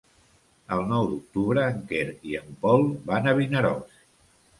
El nou d'octubre en Quer i en Pol van a Vinaròs.